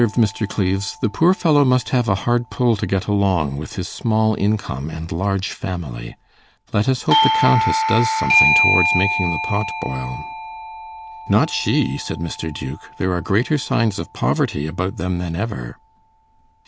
'Well,' observed Mr. Cleves, 'the poor fellow must have a hard pull to get along, with his small income and large family. Let us hope the Countess does something towards making the pot boil.' 'Not she,' said Mr. Duke; 'there are greater signs of poverty about them than ever.